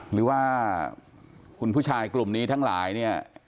หรือว่าคุณผู้ชายกลุ่มนี้ทั้งหลายเนี่ย